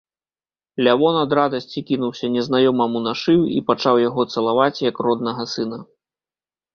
Лявон ад радасці кінуўся незнаёмаму на шыю і пачаў яго цалаваць, як роднага сына.